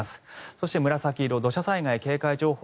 そして紫色が土砂災害警戒情報